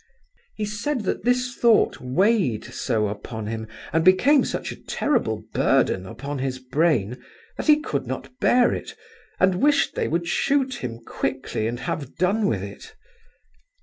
He said that this thought weighed so upon him and became such a terrible burden upon his brain that he could not bear it, and wished they would shoot him quickly and have done with it."